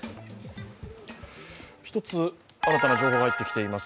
一つ、新たな情報が入ってきています